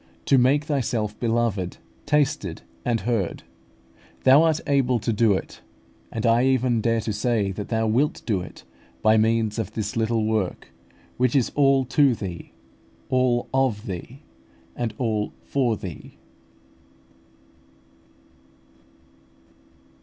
to make Thyself beloved, tasted, and heard. Thou art able to do it; and I even dare to say that Thou wilt do it, by means of this little work, which is all to Thee, all of Thee, and all for Thee.